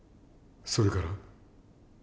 それから？